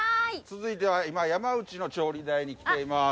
続いては今山内の調理台に来ています。